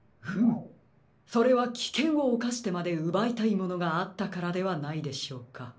フムそれはきけんをおかしてまでうばいたいものがあったからではないでしょうか。